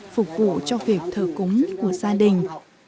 phục vụ cho việc thờ cúng của gia đình